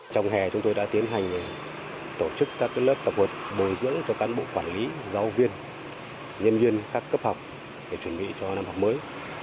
trong hè chúng tôi đã tiến hành tổ chức các lớp tập huấn bồi dưỡng cho cán bộ quản lý giáo viên nhân viên các cấp học để chuẩn bị cho năm học mới